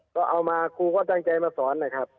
ก็เอามาครูก็ตั้งใจมาสอนนะครับ